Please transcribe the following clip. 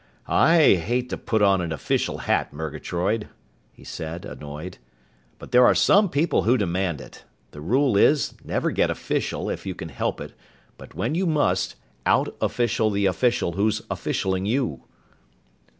"I hate to put on an official hat, Murgatroyd," he said, annoyed, "but there are some people who demand it. The rule is, never get official if you can help it, but when you must, out official the official who's officialing you."